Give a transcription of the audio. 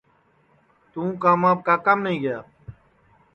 توں کاماپ کاکام نائی گیا